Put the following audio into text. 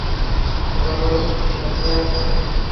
There is an overhaul parking lot at Pudong Station.